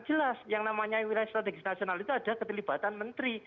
jelas yang namanya wilayah strategis nasional itu ada keterlibatan menteri